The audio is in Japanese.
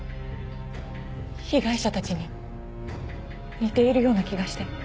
被害者たちに似ているような気がして。